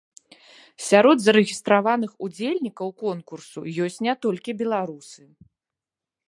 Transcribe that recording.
Сярод зарэгістраваных удзельнікаў конкурсу ёсць не толькі беларусы.